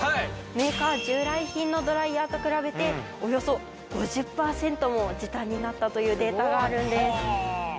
メーカー従来品のドライヤーと比べておよそ５０パーセントも時短になったというデータがあるんです。